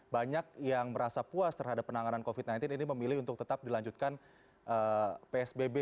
banyak yang merasa puas terhadap penanganan covid sembilan belas ini memilih untuk tetap dilanjutkan psbb